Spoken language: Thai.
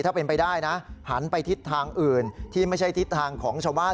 ถ้าเป็นไปได้นะหันไปทิศทางอื่นที่ไม่ใช่ทิศทางของชาวบ้าน